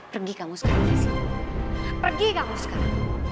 pergi kamu sekarang pergi kamu sekarang